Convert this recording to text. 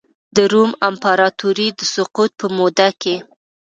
د روم امپراتورۍ د سقوط په موده کې.